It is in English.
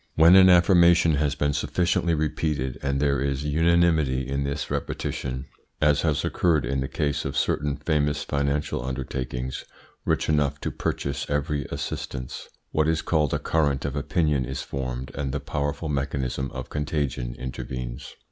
When an affirmation has been sufficiently repeated and there is unanimity in this repetition as has occurred in the case of certain famous financial undertakings rich enough to purchase every assistance what is called a current of opinion is formed and the powerful mechanism of contagion intervenes.